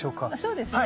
そうですね。